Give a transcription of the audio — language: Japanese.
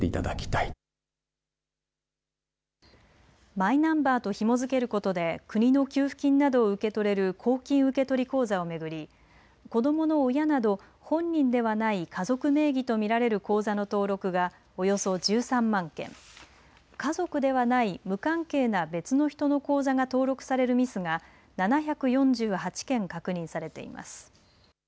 マイナンバーとひも付けることで国の給付金などを受け取れる公金受取口座を巡り子どもの親など、本人ではない家族名義と見られる口座の登録がおよそ１３万件家族ではない無関係な別の人の口座が登録されるミスが７４８件確認されています。